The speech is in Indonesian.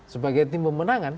sebagai tim pemenangan